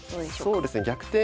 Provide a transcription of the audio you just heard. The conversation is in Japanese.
そうですね逆転